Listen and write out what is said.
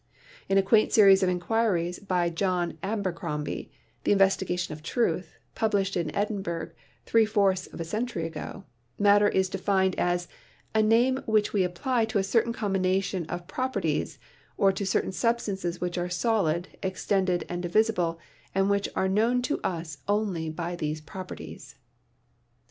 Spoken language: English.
In a quaint series of inquiries by John Abercrombie, 'The Investigation of Truth,' published in Edinburgh three fourths of a century ago, Matter is defined as "a name which we apply to a certain combination of proper ties or to certain substances which are solid, extended and divisible and which are known to us only by these prop erties."